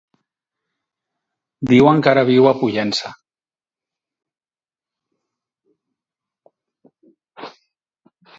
Diuen que ara viu a Pollença.